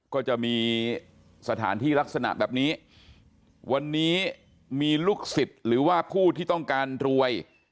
ก็จะมีสถานที่ลักษณะแบบนี้วันนี้มีลูกศิษย์หรือว่าผู้ที่ต้องการรวย